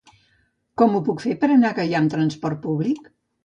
Com ho puc fer per anar a Gaià amb trasport públic?